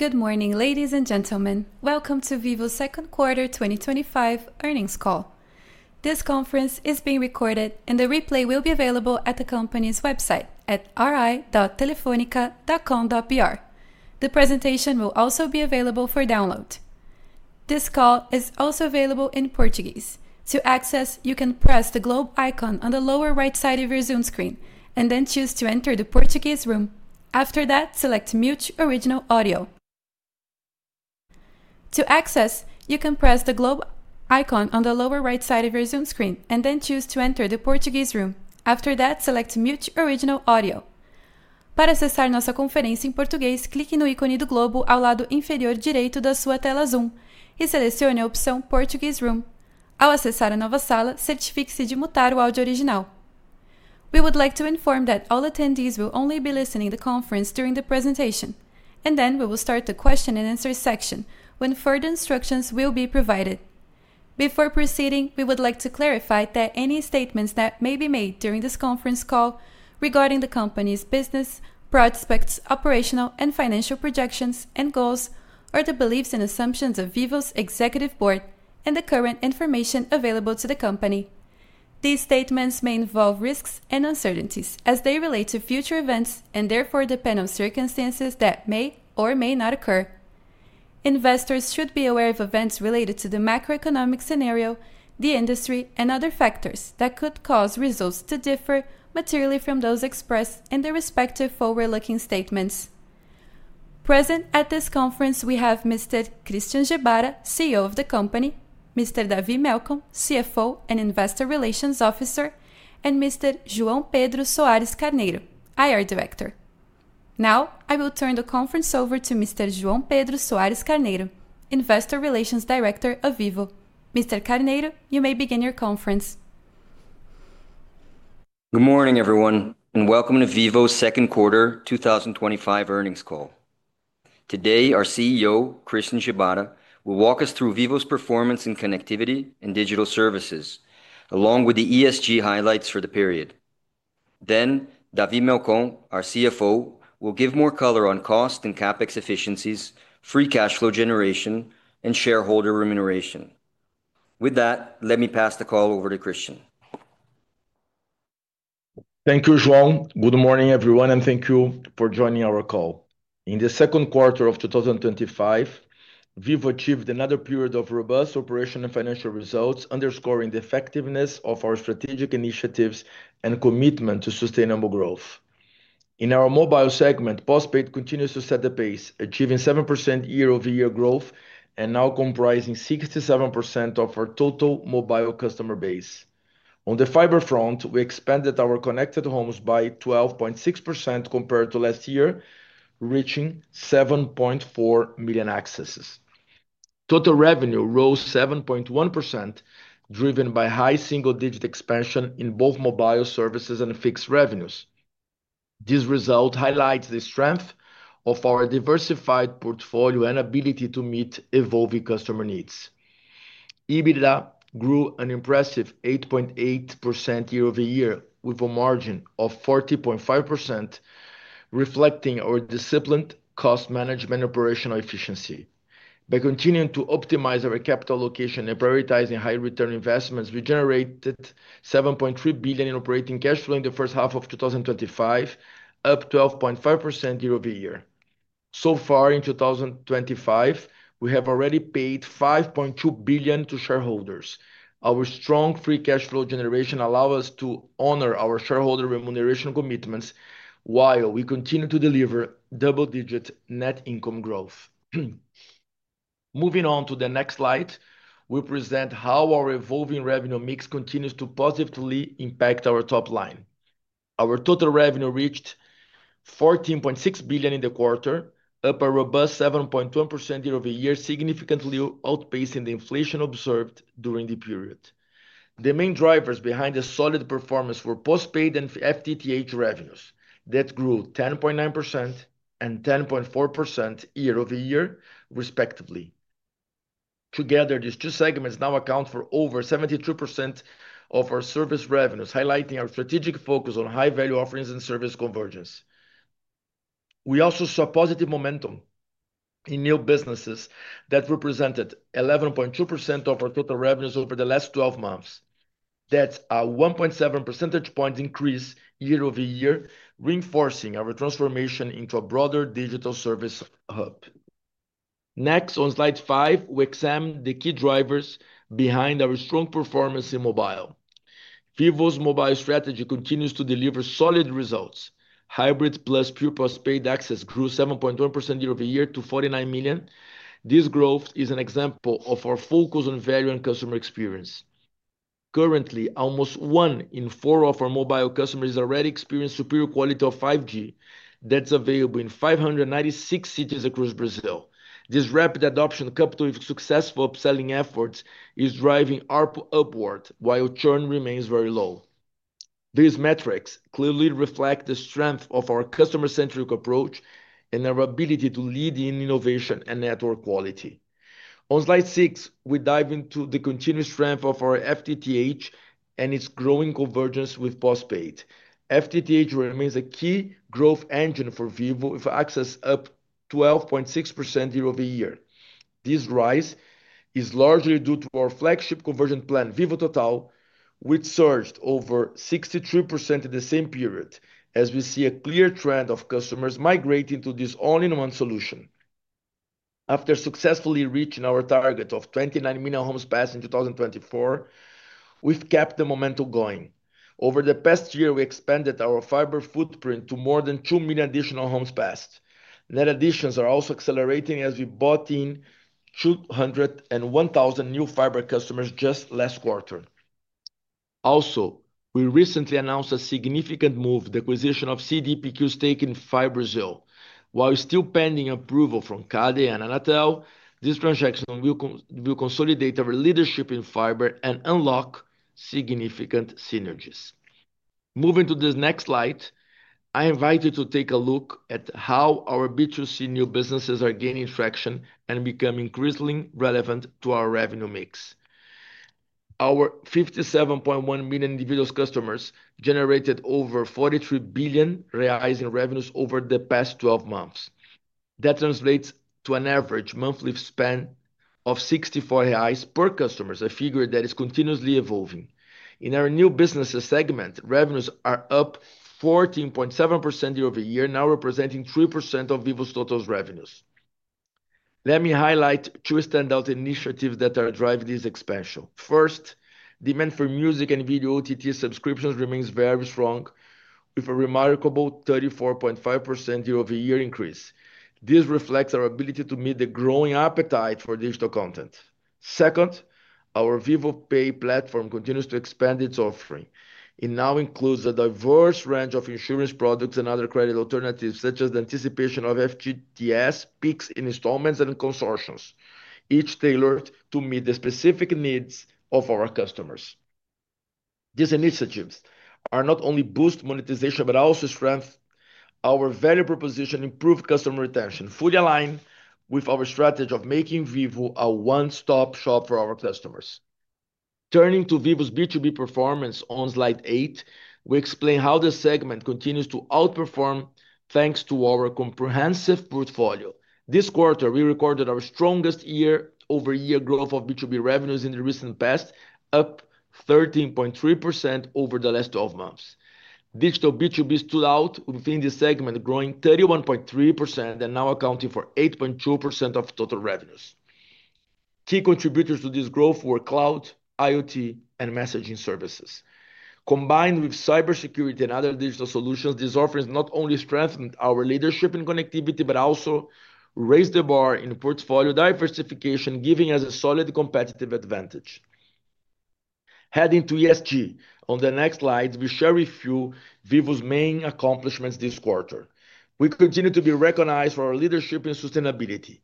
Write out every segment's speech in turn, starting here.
Good morning, ladies and gentlemen. Welcome to Vivo's Second Quarter 2025 Earnings Call. This conference is being recorded, and the replay will be available at the company's website at ri.telefonica.com.br. The presentation will also be available for download. This call is also available in Portuguese. To access, you can press the globe icon on the lower right side of your Zoom screen and then choose to enter the Portuguese Room. After that, select mute original audio. Para acessar nossa conferência em português, clique no ícone do globo ao lado inferior direito da sua tela Zoom e selecione a opção Portuguese Room. Ao acessar a nova sala, certifique-se de mutar o áudio original. We would like to inform that all attendees will only be listening to the conference during the presentation, and then we will start the question and answer section when further instructions will be provided. Before proceeding, we would like to clarify that any statements that may be made during this conference call regarding the company's business, prospects, operational and financial projections and goals, or the beliefs and assumptions of Vivo's executive board and the current information available to the company. These statements may involve risks and uncertainties as they relate to future events and therefore depend on circumstances that may or may not occur. Investors should be aware of events related to the macroeconomic scenario, the industry, and other factors that could cause results to differ materially from those expressed in the respective forward-looking statements. Present at this conference, we have Mr. Christian Gebara, CEO of the company, Mr. David Melcón, CFO and Investor Relations Officer, and Mr. João Pedro Soares Carneiro, IR Director. Now, I will turn the conference over to Mr. João Pedro Soares Carneiro, Investor Relations Director of Vivo. Mr. Carneiro, you may begin your conference. Good morning, everyone, and welcome to Vivo's Second Quarter 2025 Earnings Call. Today, our CEO, Christian Gebara, will walk us through Vivo's performance in connectivity and digital services, along with the ESG highlights for the period. Then, David Melcón, our CFO, will give more color on cost and CapEx efficiencies, free cash flow generation, and shareholder remuneration. With that, let me pass the call over to Christian. Thank you, João. Good morning, everyone, and thank you for joining our call. In the second quarter of 2025, Vivo achieved another period of robust operational and financial results, underscoring the effectiveness of our strategic initiatives and commitment to sustainable growth. In our mobile segment, postpaid continues to set the pace, achieving 7% year-over-year growth and now comprising 67% of our total mobile customer base. On the fiber front, we expanded our connected homes by 12.6% compared to last year, reaching 7.4 million accesses. Total revenue rose 7.1%, driven by high single-digit expansion in both mobile services and fixed revenues. This result highlights the strength of our diversified portfolio and ability to meet evolving customer needs. EBITDA grew an impressive 8.8% year-over-year, with a margin of 40.5%, reflecting our disciplined cost management and operational efficiency. By continuing to optimize our capital allocation and prioritizing high-return investments, we generated 7.3 billion in operating cash flow in the first half of 2025, up 12.5% year-over-year. So far, in 2025, we have already paid 5.2 billion to shareholders. Our strong free cash flow generation allows us to honor our shareholder remuneration commitments while we continue to deliver double-digit net income growth. Moving on to the next slide, we present how our evolving revenue mix continues to positively impact our top line. Our total revenue reached 14.6 billion in the quarter, up a robust 7.1% year-over-year, significantly outpacing the inflation observed during the period. The main drivers behind the solid performance were postpaid and FTTH revenues that grew 10.9% and 10.4% year-over-year, respectively. Together, these two segments now account for over 72% of our service revenues, highlighting our strategic focus on high-value offerings and service convergence. We also saw positive momentum in new businesses that represented 11.2% of our total revenues over the last 12 months. That is a 1.7 percentage points increase year-over-year, reinforcing our transformation into a broader digital service hub. Next, on slide five, we examine the key drivers behind our strong performance in mobile. Vivo's mobile strategy continues to deliver solid results. Hybrid plus pure postpaid access grew 7.1% year-over-year to 49 million. This growth is an example of our focus on value and customer experience. Currently, almost one in four of our mobile customers has already experienced superior quality of 5G that's available in 596 cities across Brazil. This rapid adoption, coupled with successful upselling efforts, is driving ARPU upward, while churn remains very low. These metrics clearly reflect the strength of our customer-centric approach and our ability to lead in innovation and network quality. On slide six, we dive into the continued strength of our FTTH and its growing convergence with postpaid. FTTH remains a key growth engine for Vivo with access up 12.6% year-over-year. This rise is largely due to our flagship convergent plan, Vivo Total, which surged over 63% in the same period, as we see a clear trend of customers migrating to this all-in-one solution. After successfully reaching our target of 29 million homes passed in 2024, we've kept the momentum going. Over the past year, we expanded our fiber footprint to more than 2 million additional homes passed. Net additions are also accelerating as we brought in 201,000 new fiber customers just last quarter. Also, we recently announced a significant move, the acquisition of CDPQ stake in Fiber Zero. While still pending approval from CADE and Anatel, this transaction will consolidate our leadership in fiber and unlock significant synergies. Moving to this next slide, I invite you to take a look at how our B2C new businesses are gaining traction and becoming increasingly relevant to our revenue mix. Our 57.1 million individual customers generated over 43 billion reais in revenues over the past 12 months. That translates to an average monthly spend of 64 reais per customer, a figure that is continuously evolving. In our new business segment, revenues are up 14.7% year-over-year, now representing 3% of Vivo's total revenues. Let me highlight two standout initiatives that are driving this expansion. First, demand for music and video OTT subscriptions remains very strong, with a remarkable 34.5% year-over-year increase. This reflects our ability to meet the growing appetite for digital content. Second, our Vivo Pay platform continues to expand its offering and now includes a diverse range of insurance products and other credit alternatives, such as the anticipation of FGTS, Pix installments, and consortiums, each tailored to meet the specific needs of our customers. These initiatives are not only boosting monetization but also strengthening our value proposition and improving customer retention, fully aligned with our strategy of making Vivo a one-stop shop for our customers. Turning to Vivo's B2B performance on slide eight, we explain how the segment continues to outperform thanks to our comprehensive portfolio. This quarter, we recorded our strongest year-over-year growth of B2B revenues in the recent past, up 13.3% over the last 12 months. Digital B2B stood out within this segment, growing 31.3% and now accounting for 8.2% of total revenues. Key contributors to this growth were cloud, IoT, and messaging services. Combined with cybersecurity and other digital solutions, these offerings not only strengthened our leadership in connectivity but also raised the bar in portfolio diversification, giving us a solid competitive advantage. Heading to ESG, on the next slide, we share with you Vivo's main accomplishments this quarter. We continue to be recognized for our leadership in sustainability.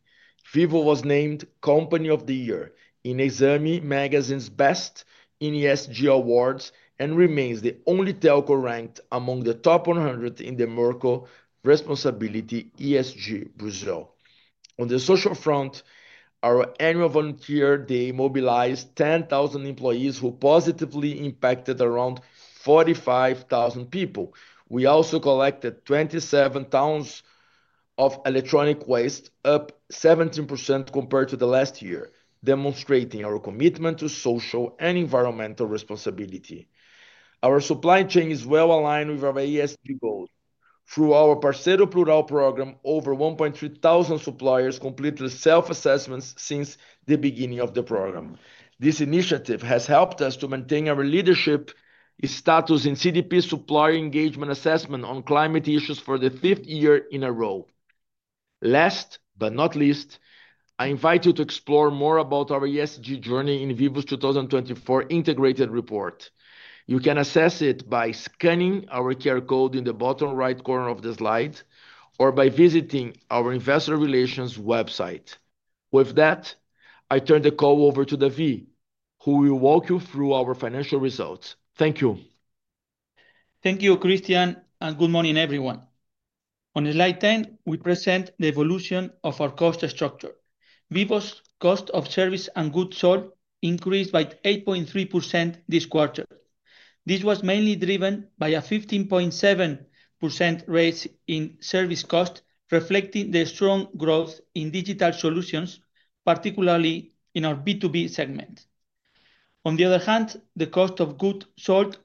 Vivo was named Company of the Year in Exame magazine's Best in ESG Awards and remains the only telco ranked among the top 100 in the Merco Responsibility ESG Brazil. On the social front, our annual volunteer day mobilized 10,000 employees, who positively impacted around 45,000 people. We also collected 27 tons of electronic waste, up 17% compared to the last year, demonstrating our commitment to social and environmental responsibility. Our supply chain is well aligned with our ESG goals. Through our Parceiro Plural program, over 1,300 suppliers completed self-assessments since the beginning of the program. This initiative has helped us to maintain our leadership status in CDP Supplier Engagement Assessment on climate issues for the fifth year in a row. Last but not least, I invite you to explore more about our ESG journey in Vivo's 2024 Integrated Report. You can access it by scanning our QR code in the bottom right corner of the slide or by visiting our Investor Relations website. With that, I turn the call over to David, who will walk you through our financial results. Thank you. Thank you, Christian, and good morning, everyone. On slide 10, we present the evolution of our cost structure. Vivo's cost of service and goods sold increased by 8.3% this quarter. This was mainly driven by a 15.7% rise in service cost, reflecting the strong growth in digital solutions, particularly in our B2B segment. On the other hand, the cost of goods sold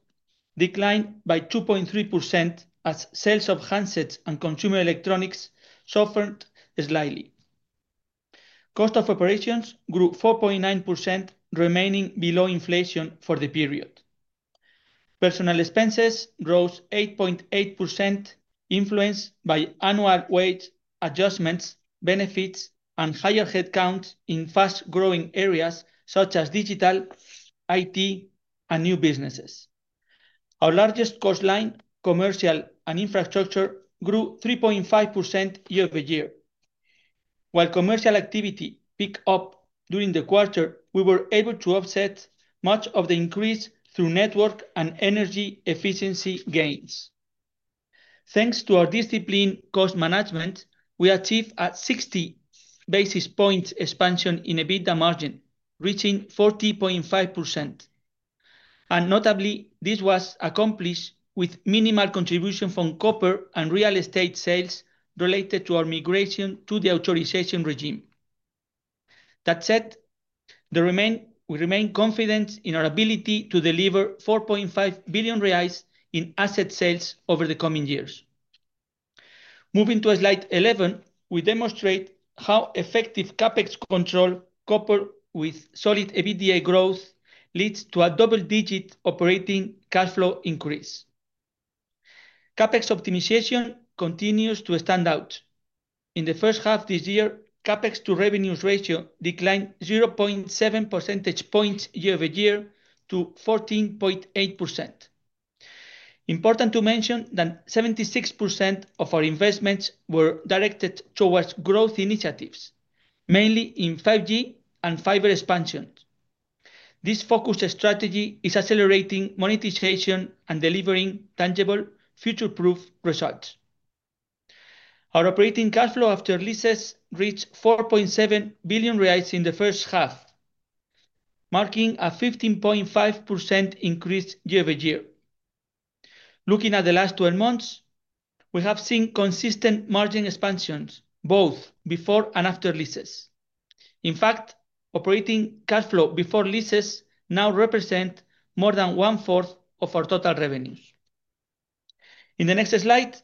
declined by 2.3% as sales of handsets and consumer electronics suffered slightly. Cost of operations grew 4.9%, remaining below inflation for the period. Personal expenses rose 8.8%, influenced by annual wage adjustments, benefits, and higher headcounts in fast-growing areas such as digital, IT, and new businesses. Our largest cost line, commercial and infrastructure, grew 3.5% year-over-year. While commercial activity picked up during the quarter, we were able to offset much of the increase through network and energy efficiency gains. Thanks to our disciplined cost management, we achieved a 60 basis points expansion in EBITDA margin, reaching 40.5%. Notably, this was accomplished with minimal contribution from copper and real estate sales related to our migration to the authorization regime. That said, we remain confident in our ability to deliver 4.5 billion reais in asset sales over the coming years. Moving to slide 11, we demonstrate how effective CapEx control coupled with solid EBITDA growth leads to a double-digit operating cash flow increase. CapEx optimization continues to stand out. In the first half of this year, CapEx to revenues ratio declined 0.7 percentage points year-over-year to 14.8%. Important to mention that 76% of our investments were directed towards growth initiatives, mainly in 5G and fiber expansion. This focused strategy is accelerating monetization and delivering tangible, future-proof results. Our operating cash flow after leases reached 4.7 billion reais in the first half, marking a 15.5% increase year-over-year. Looking at the last 12 months, we have seen consistent margin expansions both before and after leases. In fact, operating cash flow before leases now represents more than one-fourth of our total revenues. In the next slide,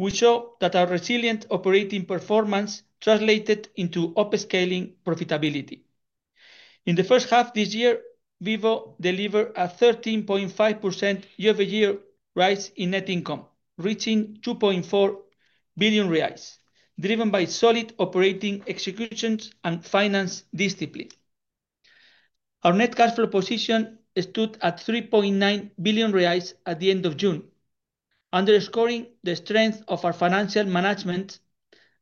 we show that our resilient operating performance translated into upscaling profitability. In the first half of this year, Vivo delivered a 13.5% year-over-year rise in net income, reaching 2.4 billion reais, driven by solid operating executions and finance discipline. Our net cash flow position stood at 3.9 billion reais at the end of June, underscoring the strength of our financial management.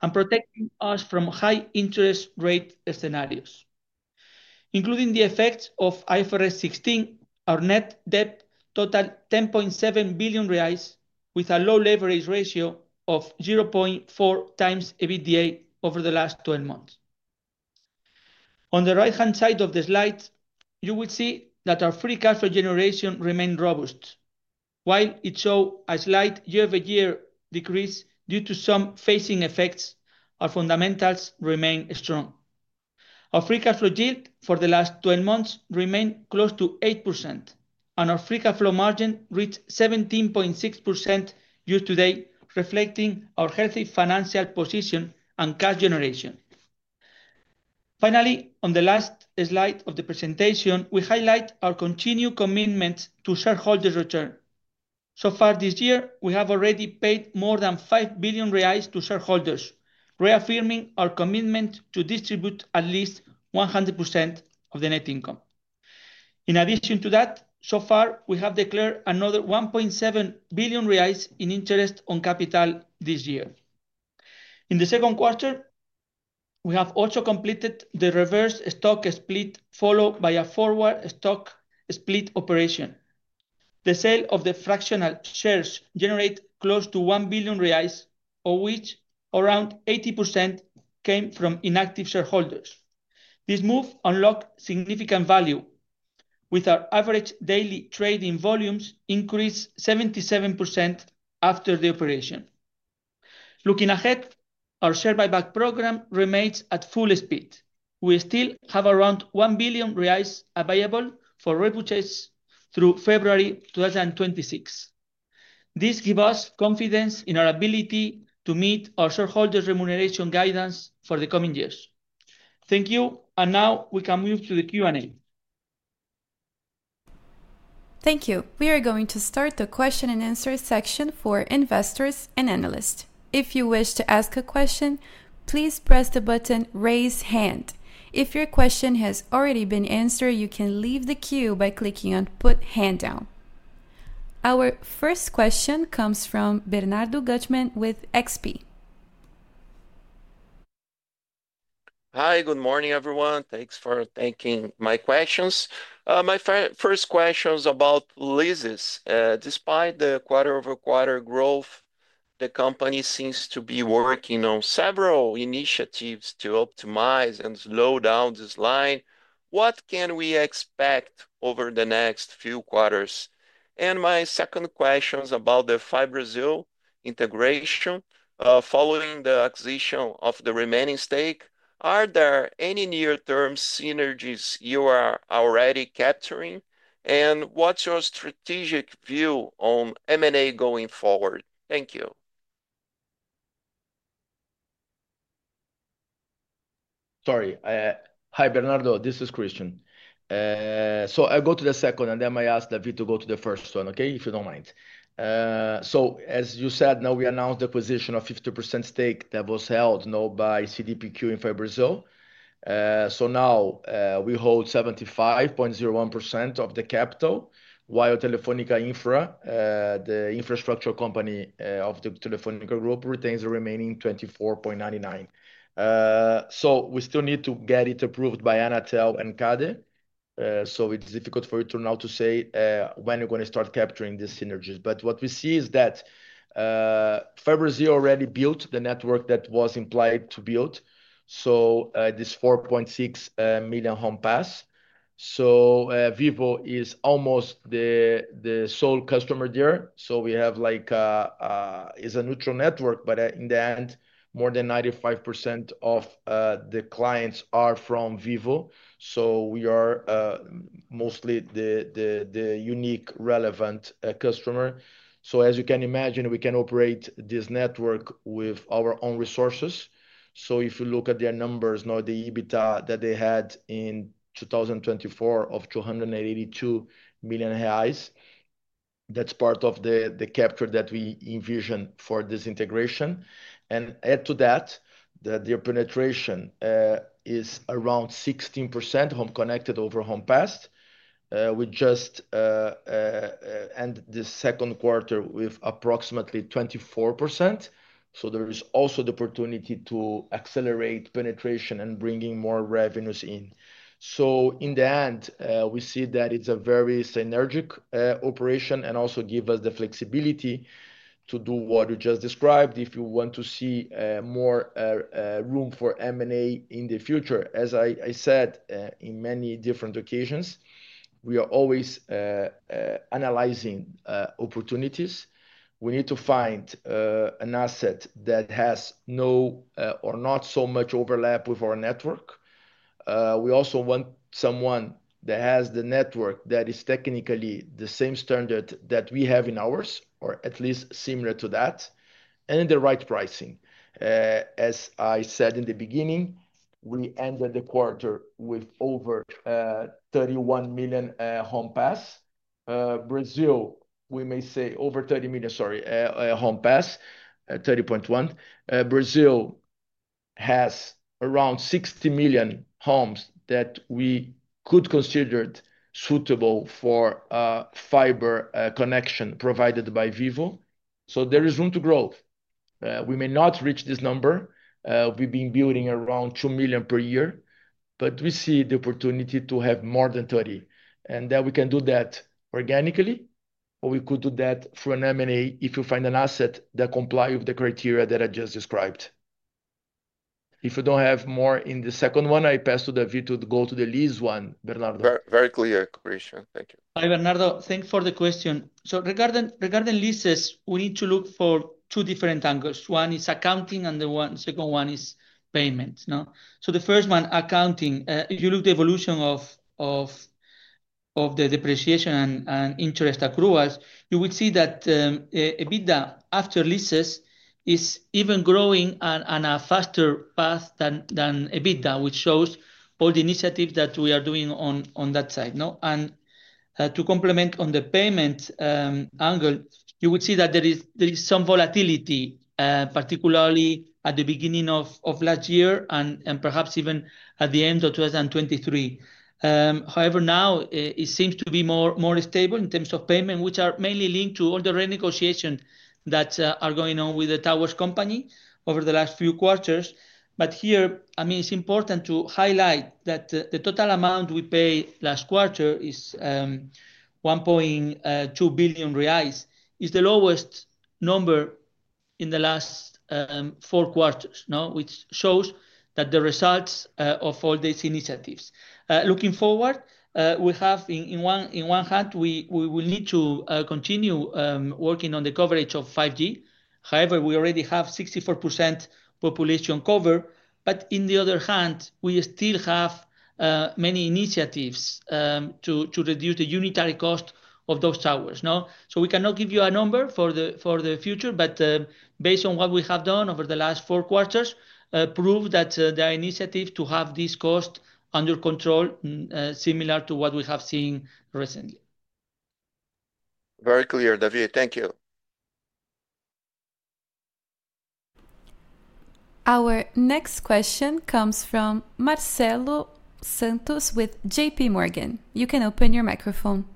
It is protecting us from high interest rate scenarios. Including the effects of IFRS 16, our net debt totaled 10.7 billion reais, with a low leverage ratio of 0.4 times EBITDA over the last 12 months. On the right-hand side of the slide, you will see that our free cash flow generation remained robust. While it showed a slight year-over-year decrease due to some phasing effects, our fundamentals remained strong. Our free cash flow yield for the last 12 months remained close to 8%, and our free cash flow margin reached 17.6% year-to-date, reflecting our healthy financial position and cash generation. Finally, on the last slide of the presentation, we highlight our continued commitment to shareholder return. So far this year, we have already paid more than 5 billion reais to shareholders, reaffirming our commitment to distribute at least 100% of the net income. In addition to that, so far, we have declared another 1.7 billion reais in interest on capital this year. In the second quarter, we have also completed the reverse stock split, followed by a forward stock split operation. The sale of the fractional shares generated close to 1 billion reais, of which around 80% came from inactive shareholders. This move unlocked significant value, with our average daily trading volumes increased 77% after the operation. Looking ahead, our share buyback program remains at full speed. We still have around 1 billion reais available for repurchase through February 2026. This gives us confidence in our ability to meet our shareholder remuneration guidance for the coming years. Thank you, and now we can move to the Q&A. Thank you. We are going to start the question and answer section for investors and analysts. If you wish to ask a question, please press the button "Raise Hand." If your question has already been answered, you can leave the queue by clicking on "Put Hand Down." Our first question comes from Bernardo Guttmann with XP. Hi, good morning, everyone. Thanks for taking my questions. My first question is about leases. Despite the quarter-over-quarter growth, the company seems to be working on several initiatives to optimize and slow down this line. What can we expect over the next few quarters? My second question is about the Fiber Zero integration. Following the acquisition of the remaining stake, are there any near-term synergies you are already capturing? What is your strategic view on M&A going forward? Thank you. Sorry. Hi, Bernardo. This is Christian. I'll go to the second, and then I might ask David to go to the first one, okay? If you do not mind. As you said, now we announced the acquisition of a 50% stake that was held by CDPQ Infra Brazil. Now we hold 75.01% of the capital, while Telefônica Infra, the infrastructure company of the Telefônica Group, retains the remaining 24.99%. We still need to get it approved by Anatel and CADE. It is difficult for you to now say when you are going to start capturing these synergies. What we see is that Fiber Zero already built the network that was implied to build, so this 4.6 million home pass. Vivo is almost the sole customer there. We have a neutral network, but in the end, more than 95% of the clients are from Vivo. We are mostly the unique relevant customer. As you can imagine, we can operate this network with our own resources. If you look at their numbers now, the EBITDA that they had in 2024 of 282 million reais, that is part of the capture that we envision for this integration. Add to that, their penetration is around 16% home connected over home passed. We just ended the second quarter with approximately 24%. There is also the opportunity to accelerate penetration and bring in more revenues. In the end, we see that it is a very synergic operation and also gives us the flexibility to do what you just described. If you want to see more room for M&A in the future, as I said on many different occasions, we are always analyzing opportunities. We need to find an asset that has no or not so much overlap with our network. We also want someone that has the network that is technically the same standard that we have in ours, or at least similar to that, and the right pricing. As I said in the beginning, we ended the quarter with over 31 million home pass. Brazil, we may say over 30 million, sorry, home pass, 30.1 million. Brazil has around 60 million homes that we could consider suitable for fiber connection provided by Vivo. There is room to grow. We may not reach this number. We have been building around 2 million per year, but we see the opportunity to have more than 30. We can do that organically, or we could do that through an M&A if you find an asset that complies with the criteria that I just described. If you do not have more in the second one, I pass to David to go to the lease one, Bernardo. Very clear, Christian. Thank you. Hi, Bernardo. Thanks for the question. Regarding leases, we need to look from two different angles. One is accounting, and the second one is payments. The first one, accounting, if you look at the evolution of the depreciation and interest accruals, you will see that EBITDA after leases is even growing on a faster path than EBITDA, which shows all the initiatives that we are doing on that side. To complement on the payment angle, you would see that there is some volatility, particularly at the beginning of last year and perhaps even at the end of 2023. However, now it seems to be more stable in terms of payment, which are mainly linked to all the renegotiations that are going on with the towers company over the last few quarters. Here, I mean, it is important to highlight that the total amount we paid last quarter is 1.2 billion reais, which is the lowest number in the last four quarters, which shows the results of all these initiatives. Looking forward, we have, on one hand, we will need to continue working on the coverage of 5G. However, we already have 64% population cover. On the other hand, we still have many initiatives to reduce the unitary cost of those towers. We cannot give you a number for the future, but based on what we have done over the last four quarters, it proves that the initiative to have this cost under control is similar to what we have seen recently. Very clear, David. Thank you. Our next question comes from Marcelo Santos with JPMorgan. You can open your microphone.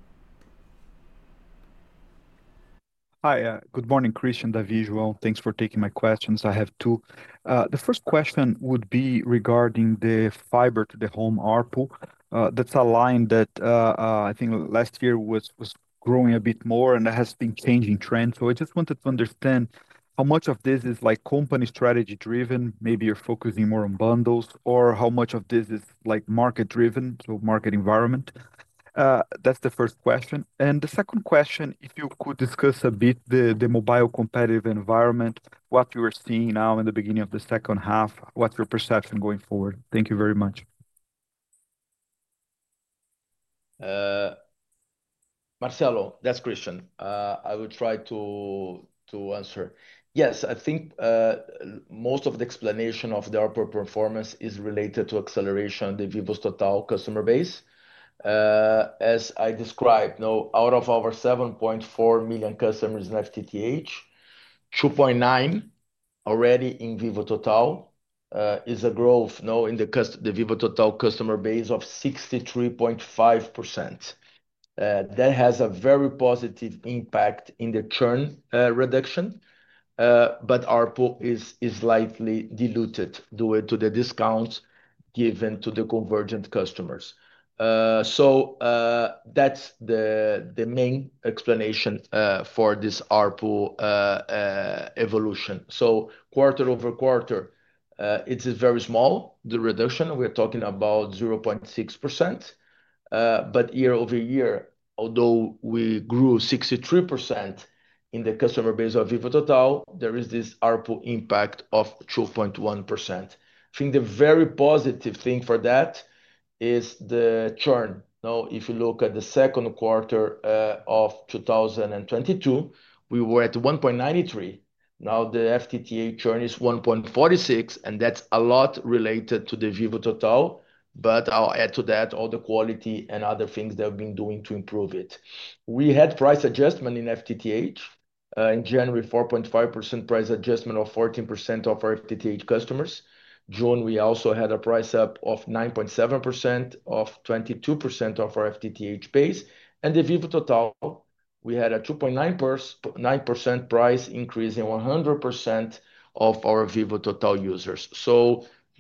Hi, good morning, Christian, David. Thanks for taking my questions. I have two. The first question would be regarding the fiber to the home ARPU. That's a line that I think last year was growing a bit more, and that has been changing trends. I just wanted to understand how much of this is company strategy driven, maybe you're focusing more on bundles, or how much of this is market driven, so market environment. That's the first question. The second question, if you could discuss a bit the mobile competitive environment, what you are seeing now in the beginning of the second half, what's your perception going forward? Thank you very much. Marcelo, that's Christian. I will try to answer. Yes, I think most of the explanation of the ARPU performance is related to acceleration of the Vivo's total customer base. As I described, out of our 7.4 million customers in FTTH, 2.9 million are already in Vivo Total. It is a growth in the Vivo Total customer base of 63.5%. That has a very positive impact in the churn reduction. ARPU is slightly diluted due to the discounts given to the convergent customers. That is the main explanation for this ARPU evolution. Quarter-over-quarter, it is very small, the reduction. We are talking about 0.6%. Year over year, although we grew 63% in the customer base of Vivo Total, there is this ARPU impact of 2.1%. I think the very positive thing for that is the churn. Now, if you look at the second quarter of 2022, we were at 1.93. Now the FTTH churn is 1.46, and that is a lot related to the Vivo Total. I will add to that all the quality and other things they have been doing to improve it. We had price adjustment in FTTH in January, 4.5% price adjustment of 14% of our FTTH customers. In June, we also had a price up of 9.7% of 22% of our FTTH base. The Vivo Total, we had a 2.9% price increase in 100% of our Vivo Total users.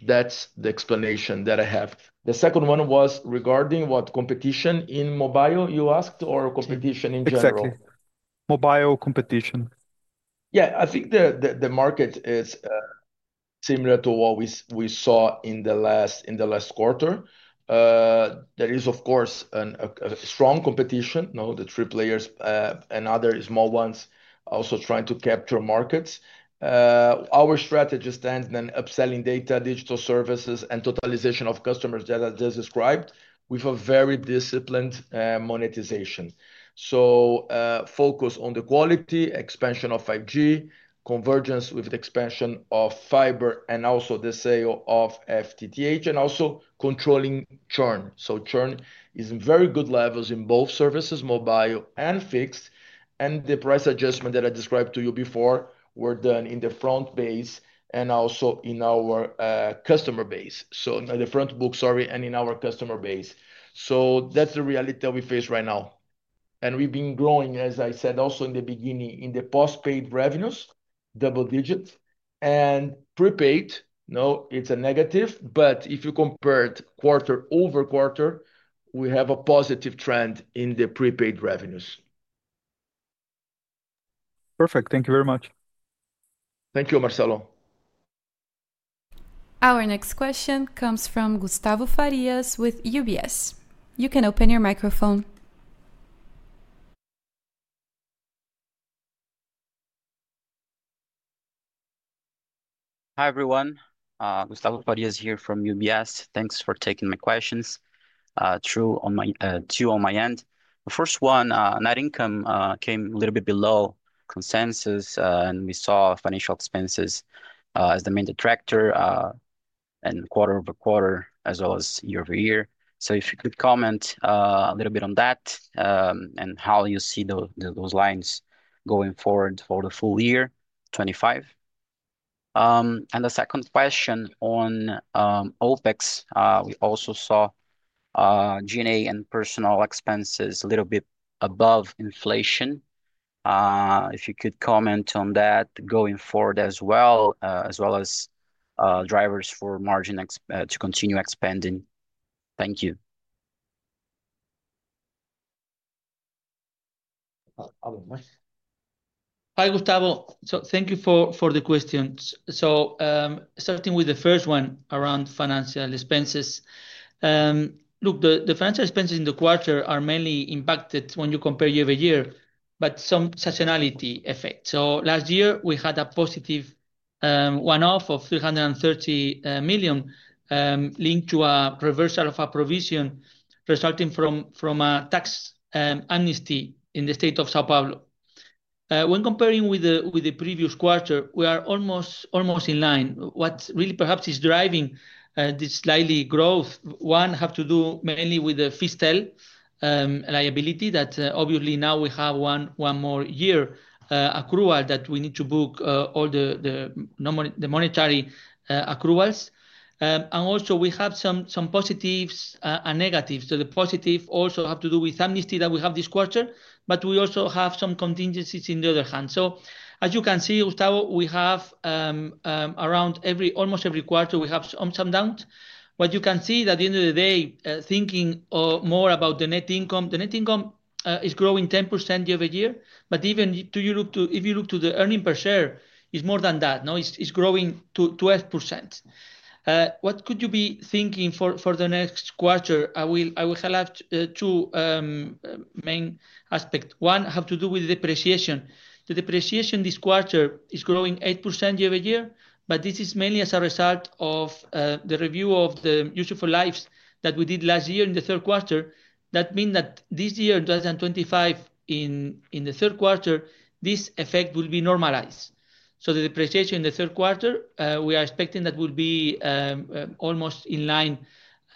That is the explanation that I have. The second one was regarding what competition in mobile, you asked, or competition in general? Exactly. Mobile competition. Yeah, I think the market is similar to what we saw in the last quarter. There is, of course, a strong competition. The three players and other small ones also trying to capture markets. Our strategy stands on upselling data, digital services, and totalization of customers that I just described with a very disciplined monetization. Focus on the quality, expansion of 5G, convergence with the expansion of fiber, and also the sale of FTTH, and also controlling churn. Churn is in very good levels in both services, mobile and fixed. The price adjustment that I described to you before were done in the front base and also in our customer base. In the front book, sorry, and in our customer base. That is the reality that we face right now. We have been growing, as I said also in the beginning, in the postpaid revenues, double digits. Prepaid, no, it is a negative, but if you compared quarter-over-quarter, we have a positive trend in the prepaid revenues. Perfect. Thank you very much. Thank you, Marcelo. Our next question comes from Gustavo Farias with UBS. You can open your microphone. Hi, everyone. Gustavo Farias here from UBS. Thanks for taking my questions. The first one, net income came a little bit below consensus, and we saw financial expenses as the main detractor, quarter-over-quarter, as well as year-over-year. If you could comment a little bit on that and how you see those lines going forward for the full year 2025. The second question, on OpEx, we also saw G&A and personnel expenses a little bit above inflation. If you could comment on that going forward as well, as well as drivers for margin to continue expanding. Thank you. Hi, Gustavo. So thank you for the questions. Starting with the first one around financial expenses. Look, the financial expenses in the quarter are mainly impacted when you compare year-over-year, by some seasonality effect. Last year, we had a positive one-off of 330 million linked to a reversal of a provision resulting from a tax amnesty in the state of São Paulo. When comparing with the previous quarter, we are almost in line. What really perhaps is driving this slight growth, one, has to do mainly with the fiscal liability that obviously now we have one more year accrual that we need to book, all the monetary accruals. Also, we have some positives and negatives. The positive also has to do with amnesty that we have this quarter, but we also have some contingencies on the other hand. As you can see, Gustavo, almost every quarter, we have some ups and downs. What you can see at the end of the day, thinking more about the net income, the net income is growing 10% year-over-year. Even if you look to the earnings per share, it is more than that. It is growing to 12%. What could you be thinking for the next quarter? I will have two main aspects. One has to do with depreciation. The depreciation this quarter is growing 8% year-over-year, but this is mainly as a result of the review of the useful lives that we did last year in the third quarter. That means that this year, 2025, in the third quarter, this effect will be normalized. The depreciation in the third quarter, we are expecting that will be almost in line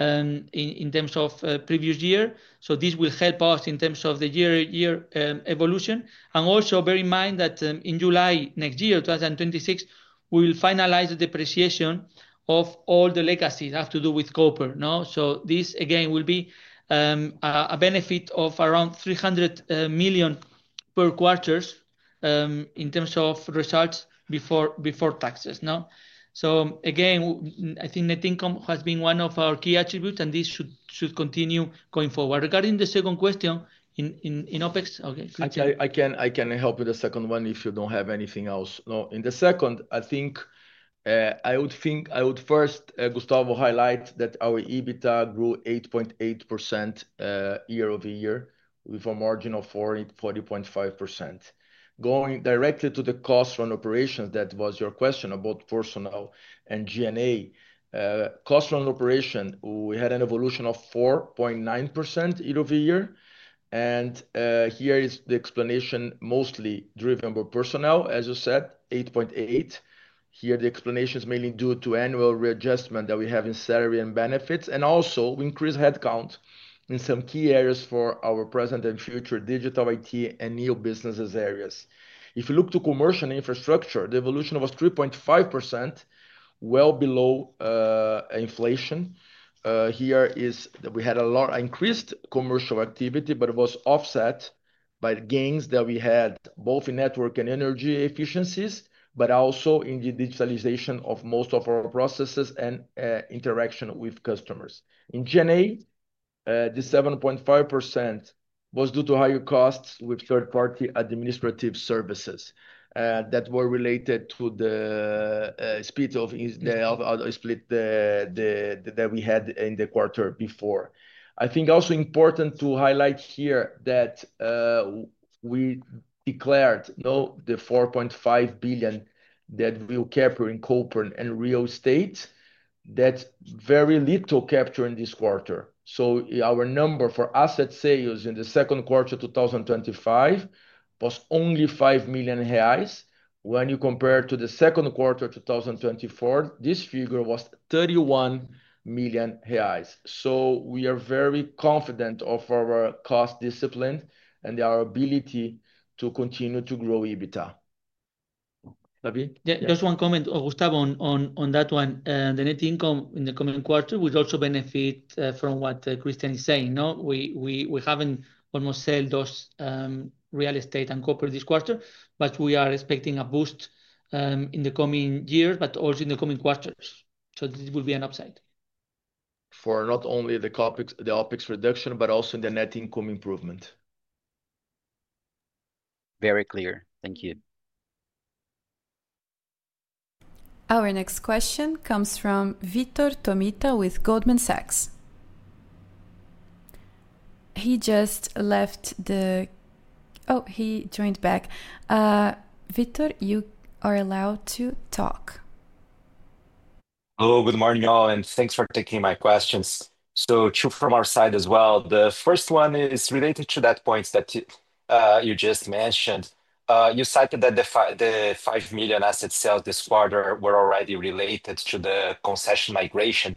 in terms of previous year. This will help us in terms of the year-over-year evolution. Also bear in mind that in July next year, 2026, we will finalize the depreciation of all the legacies that have to do with copper. This, again, will be a benefit of around 300 million per quarter in terms of results before taxes. Again, I think net income has been one of our key attributes, and this should continue going forward. Regarding the second question in OpEx, okay, Christian. I can help with the second one if you do not have anything else. In the second, I think. I would first, Gustavo, highlight that our EBITDA grew 8.8% year-over-year with a margin of 40.5%. Going directly to the cost-run operations, that was your question about personnel and G&A. Cost-run operation, we had an evolution of 4.9% year-over-year. Here is the explanation, mostly driven by personnel, as you said, 8.8%. Here, the explanation is mainly due to annual readjustment that we have in salary and benefits. Also, we increased headcount in some key areas for our present and future digital IT and new businesses areas. If you look to commercial infrastructure, the evolution was 3.5%, below inflation. Here is that we had a lot of increased commercial activity, but it was offset by gains that we had both in network and energy efficiencies, but also in the digitalization of most of our processes and interaction with customers. In G&A, the 7.5% was due to higher costs with third-party administrative services that were related to the split that we had in the quarter before. I think also important to highlight here that we declared the 4.5 billion that we will capture in copper and real estate, that is very little capture in this quarter. Our number for asset sales in the second quarter of 2025 was only 5 million reais. When you compare to the second quarter of 2024, this figure was 31 million reais. We are very confident of our cost discipline and our ability to continue to grow EBITDA. Just one comment, Gustavo, on that one. The net income in the coming quarter would also benefit from what Christian is saying. We have not almost sold those real estate and corporate this quarter, but we are expecting a boost in the coming years, but also in the coming quarters. This will be an upside. For not only the OpEx reduction, but also in the net income improvement. Very clear. Thank you. Our next question comes from Vitor Tomita with Goldman Sachs. He just left the. Oh, he joined back. Vitor, you are allowed to talk. Hello, good morning, y'all, and thanks for taking my questions. Two from our side as well. The first one is related to that point that you just mentioned. You cited that the 5 million asset sales this quarter were already related to the concession migration.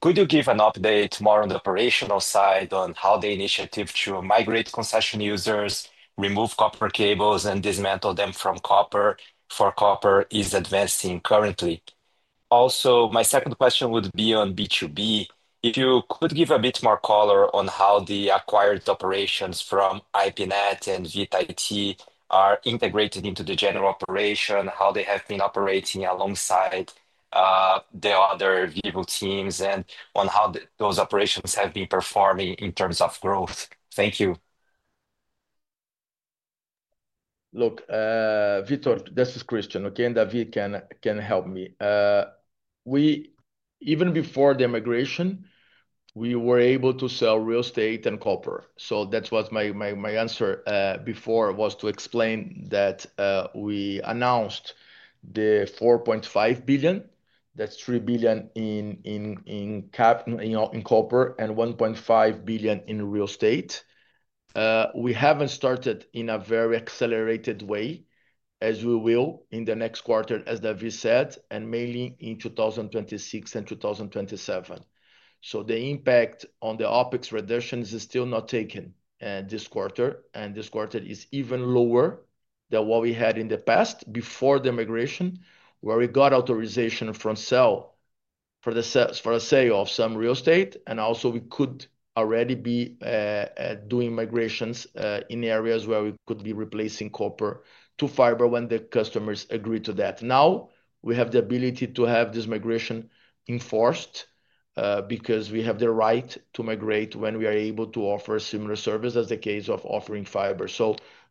Could you give an update more on the operational side on how the initiative to migrate concession users, remove copper cables, and dismantle them from copper for copper is advancing currently? Also, my second question would be on B2B. If you could give a bit more color on how the acquired operations from IPNET and Vita IT are integrated into the general operation, how they have been operating alongside the other Vivo teams, and on how those operations have been performing in terms of growth. Thank you. Look, Vitor, this is Christian. Okay, and David can help me. Even before the migration, we were able to sell real estate and copper. That was my answer before, was to explain that. We announced the 4.5 billion. That's 3 billion in copper and 1.5 billion in real estate. We have not started in a very accelerated way as we will in the next quarter, as David said, and mainly in 2026 and 2027. The impact on the OpEx reduction is still not taken this quarter, and this quarter is even lower than what we had in the past before the migration, where we got authorization for the sale of some real estate. Also, we could already be doing migrations in areas where we could be replacing copper to fiber when the customers agree to that. Now, we have the ability to have this migration enforced because we have the right to migrate when we are able to offer similar services, as in the case of offering fiber.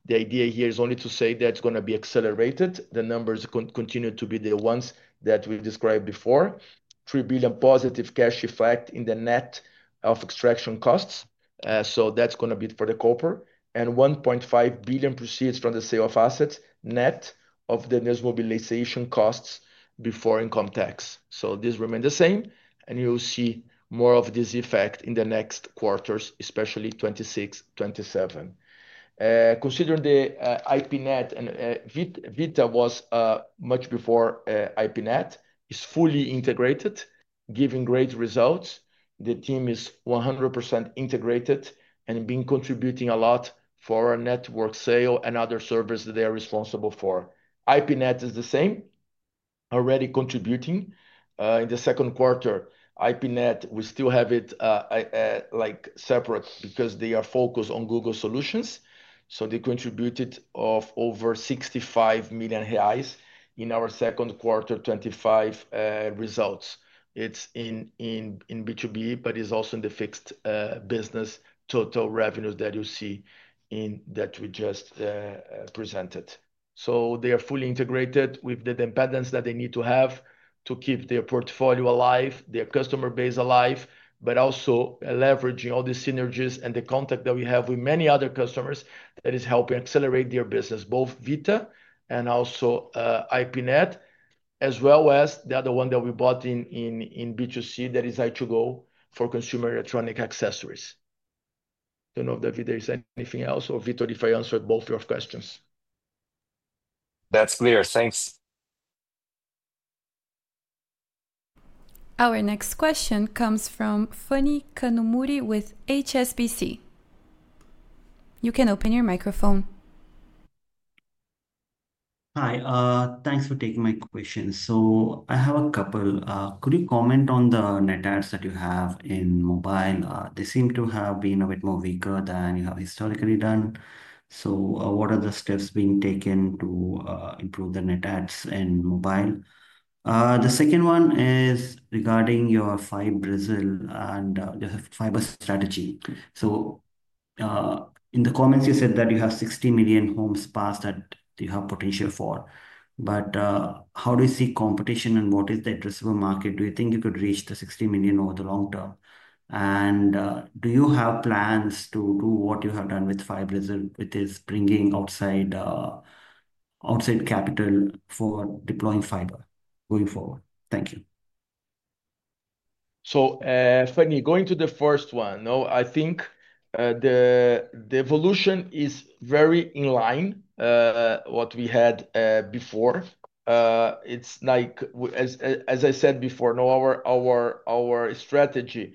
The idea here is only to say that is going to be accelerated. The numbers continue to be the ones that we described before: 3 billion positive cash effect net of extraction costs, so that is going to be for the copper, and 1.5 billion proceeds from the sale of assets net of the mobilization costs before income tax. This remains the same, and you will see more of this effect in the next quarters, especially 2026, 2027. Considering the IPNET, and Vita was much before IPNET, it is fully integrated, giving great results. The team is 100% integrated and contributing a lot for network sale and other services that they are responsible for. IPNET is the same, already contributing. In the second quarter, IPNET, we still have it separate because they are focused on cloud solutions. They contributed over 65 million reais in our second quarter 2025 results. It is in B2B, but it is also in the fixed business total revenues that you see in what we just presented. They are fully integrated with the dependence that they need to have to keep their portfolio alive, their customer base alive, but also leveraging all the synergies and the contact that we have with many other customers that is helping accelerate their business, both Vita and also IPNET, as well as the other one that we bought in B2C that is i2GO for consumer electronic accessories. I do not know if, David, there is anything else or Vitor, if I answered both your questions. That's clear. Thanks. Our next question comes from Phani Kanumuri with HSBC. You can open your microphone. Hi, thanks for taking my question. I have a couple. Could you comment on the net adds that you have in mobile? They seem to have been a bit more weaker than you have historically done. What are the steps being taken to improve the net adds in mobile? The second one is regarding your Fiber Brazil and your fiber strategy. In the comments, you said that you have 60 million homes passed that you have potential for. How do you see competition and what is the addressable market? Do you think you could reach the 60 million over the long term? Do you have plans to do what you have done with Fiber Brazil with this, bringing outside capital for deploying fiber going forward? Thank you. Funny, going to the first one, I think. The evolution is very in line with what we had before. It's like, as I said before, our strategy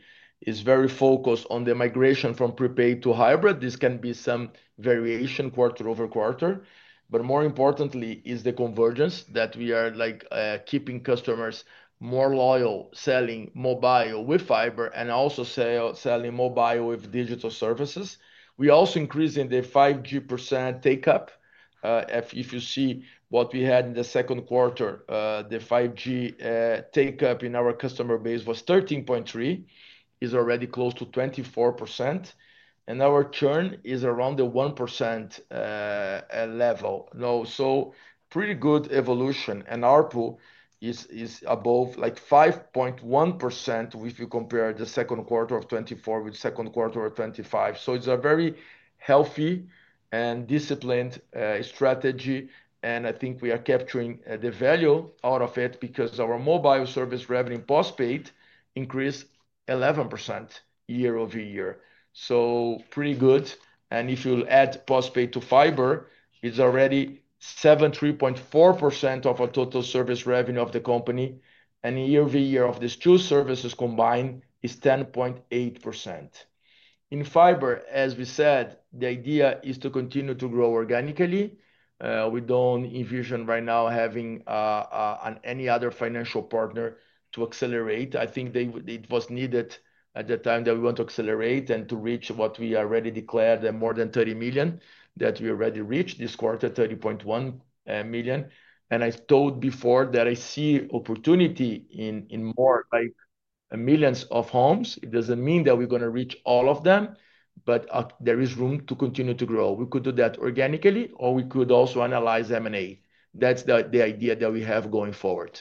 is very focused on the migration from prepaid to hybrid. This can be some variation quarter-over-quarter. More importantly, the convergence is that we are keeping customers more loyal, selling mobile with fiber and also selling mobile with digital services. We also increased in the 5G% take-up. If you see what we had in the second quarter, the 5G take-up in our customer base was 13.3%. It's already close to 24%. Our churn is around the 1% level. Pretty good evolution. Our ARPU is above like 5.1% if you compare the second quarter of 2024 with the second quarter of 2025. It's a very healthy and disciplined strategy. I think we are capturing the value out of it because our mobile service revenue postpaid increased 11% year-over-year. Pretty good. If you add postpaid to fiber, it's already 73.4% of the total service revenue of the company. Year over year of these two services combined is 10.8%. In fiber, as we said, the idea is to continue to grow organically. We don't envision right now having any other financial partner to accelerate. I think it was needed at the time that we wanted to accelerate and to reach what we already declared, more than 30 million that we already reached this quarter, 30.1 million. I told before that I see opportunity in more like millions of homes. It doesn't mean that we're going to reach all of them, but there is room to continue to grow. We could do that organically, or we could also analyze M&A. That's the idea that we have going forward.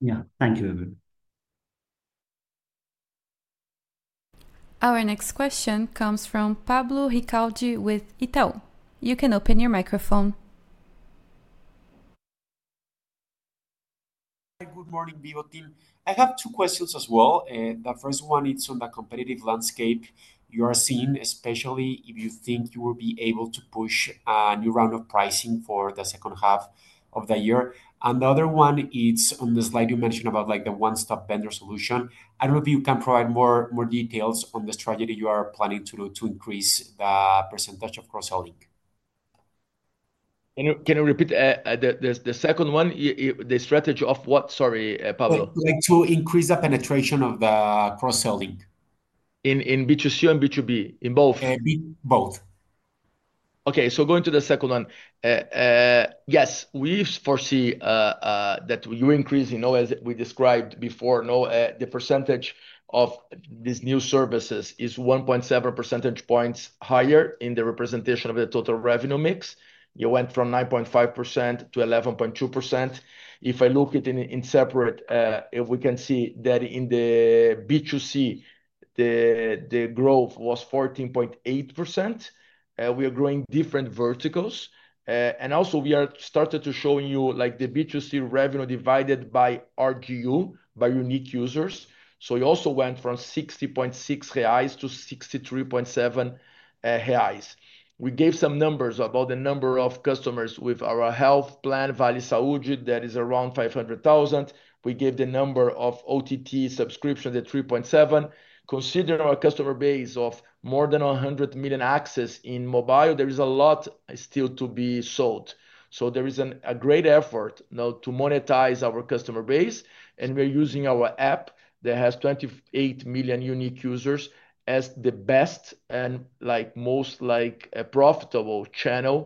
Yeah, thank you. Our next question comes from Pablo Ricalde with Itaú. You can open your microphone. Good morning, Vivo team. I have two questions as well. The first one, it's on the competitive landscape you are seeing, especially if you think you will be able to push a new round of pricing for the second half of the year. The other one, it's on the slide you mentioned about the one-stop vendor solution. I don't know if you can provide more details on the strategy you are planning to do to increase the percentage of cross-selling. Can you repeat the second one? The strategy of what, sorry, Pablo? To increase the penetration of the cross-selling. In B2C or B2B? In both? Both. Okay, going to the second one. Yes, we foresee that you increase, as we described before, the percentage of these new services is 1.7 percentage points higher in the representation of the total revenue mix. You went from 9.5%-11.2%. If I look at it in separate, we can see that in the B2C, the growth was 14.8%. We are growing different verticals. Also, we are starting to show you the B2C revenue divided by RGU, by unique users. We also went from 60.6-63.7 reais. We gave some numbers about the number of customers with our health plan, Vale Saúde, that is around 500,000. We gave the number of OTT subscriptions, the 3.7. Considering our customer base of more than 100 million access in mobile, there is a lot still to be sold. There is a great effort to monetize our customer base. We are using our app that has 28 million unique users as the best and most profitable channel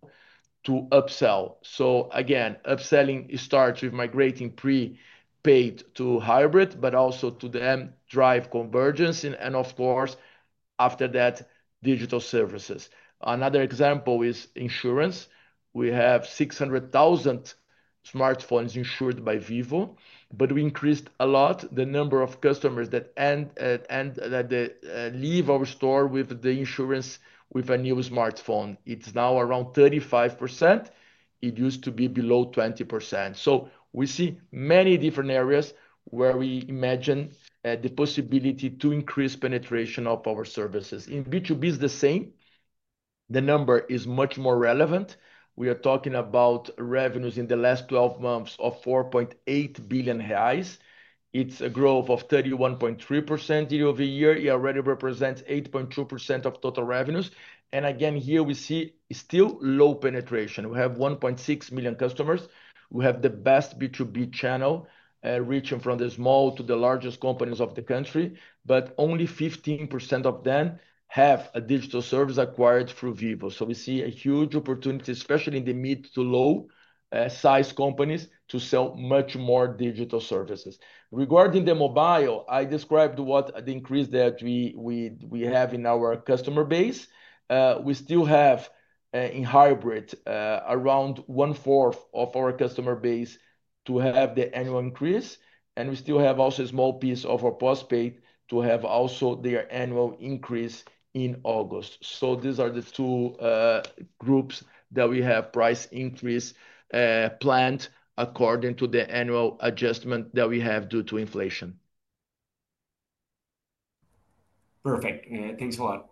to upsell. Again, upselling starts with migrating prepaid to hybrid, but also to then drive convergence. Of course, after that, digital services. Another example is insurance. We have 600,000 smartphones insured by Vivo, but we increased a lot the number of customers that leave our store with the insurance with a new smartphone. It's now around 35%. It used to be below 20%. We see many different areas where we imagine the possibility to increase penetration of our services. In B2B, it's the same. The number is much more relevant. We are talking about revenues in the last 12 months of 4.8 billion reais. It's a growth of 31.3% year-over-year. It already represents 8.2% of total revenues. Again, here we see still low penetration. We have 1.6 million customers. We have the best B2B channel reaching from the small to the largest companies of the country, but only 15% of them have a digital service acquired through Vivo. We see a huge opportunity, especially in the mid to low size companies to sell much more digital services. Regarding the mobile, I described the increase that we have in our customer base. We still have, in hybrid, around one-fourth of our customer base to have the annual increase. We still have also a small piece of our postpaid to have also their annual increase in August. These are the two groups that we have price increase planned according to the annual adjustment that we have due to inflation. Perfect. Thanks a lot.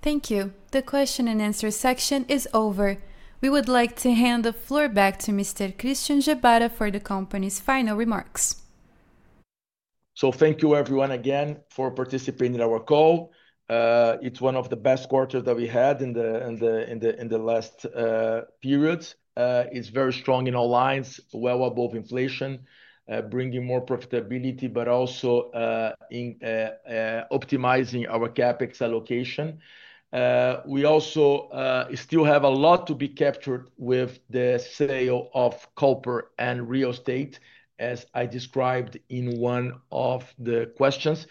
Thank you. The question and answer section is over. We would like to hand the floor back to Mr. Christian Gebara for the company's final remarks. Thank you, everyone, again, for participating in our call. It is one of the best quarters that we had in the last period. It is very strong in all lines, well above inflation, bringing more profitability, but also optimizing our CapEx allocation. We also still have a lot to be captured with the sale of copper and real estate, as I described in one of the questions.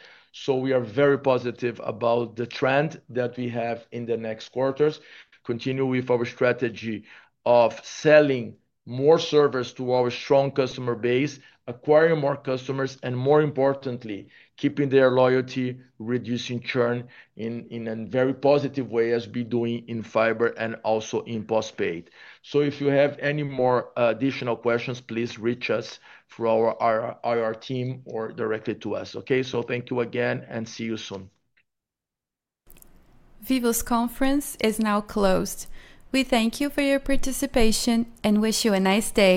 We are very positive about the trend that we have in the next quarters. We continue with our strategy of selling more services to our strong customer base, acquiring more customers, and more importantly, keeping their loyalty, reducing churn in a very positive way as we are doing in fiber and also in postpaid. If you have any more additional questions, please reach us through our team or directly to us. Thank you again and see you soon. Vivo's conference is now closed. We thank you for your participation and wish you a nice day.